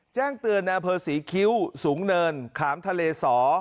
แจ้งเตือนนศรีคิ้วสูงเนินขามทะเลส